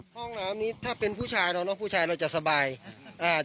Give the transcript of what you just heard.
ห้องน้ำนี้ถ้าเป็นผู้ชายน้องผู้ชายเราจะสบายอ่า